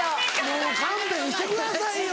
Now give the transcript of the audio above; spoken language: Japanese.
もう勘弁してくださいよ